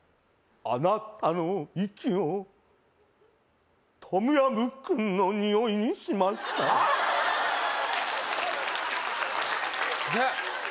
あなたの息をトムヤムクンのにおいにしましたくっせ！